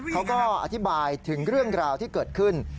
เขาก็อธิบายถึงเรื่องราวที่เกิดขึ้น